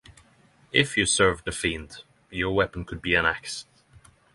If you serve the Fiend, your weapon could be an axe.